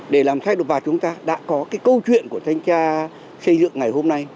để làm thay đổi và chúng ta đã có cái câu chuyện của thanh gia xây dựng ngày hôm nay